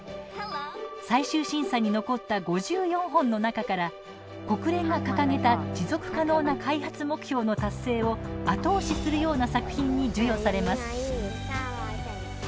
最終審査に残った５４本の中から国連が掲げた持続可能な開発目標の達成を後押しするような作品に授与されます。